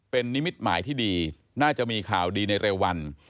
เป็นนิมิตหมายที่ดีน่าจะมีข่าวดีในเร็ววัน